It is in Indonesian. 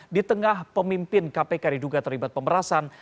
di tengah pemimpin kpk diduga terlibat pemerasan